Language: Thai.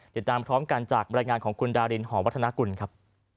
ติดตามพร้อมกันจากบรรยายงานของคุณดารินหอวัฒนากุลครับ